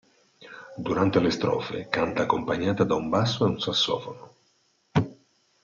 Durante le strofe canta accompagnata da un basso e un sassofono.